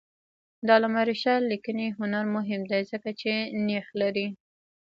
د علامه رشاد لیکنی هنر مهم دی ځکه چې نیښ لري.